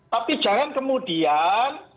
tapi jangan kemudian